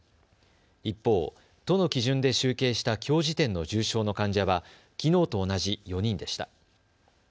一方、都の基準で集計したきょう時点の重症の患者はきのうと同じ４人でした。